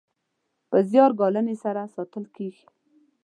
په زیار ګالنې سره ساتل کیږي.